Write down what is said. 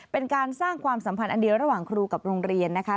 เป็นการสร้างความสัมพันธ์อันเดียวระหว่างครูกับโรงเรียนนะคะ